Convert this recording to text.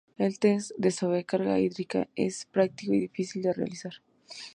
El test de sobrecarga hídrica es práctico y fácil de realizar.